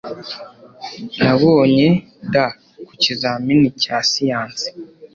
nabonye d ku kizamini cya siyanse